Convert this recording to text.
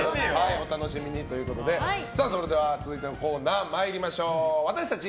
お楽しみにということでそれでは続いてのコーナー私たち